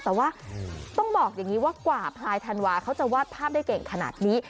แต่ว่าต้องบอกอย่างนี้ว่ากว่าพลายธันวาเขาจะวาดภาพได้เก่งขนาดนี้